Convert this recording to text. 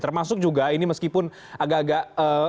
termasuk juga ini meskipun agak agak